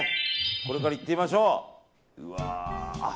これからいってみましょう！